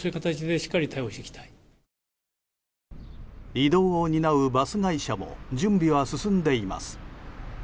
移動を担うバス会社も準備は進んでいます。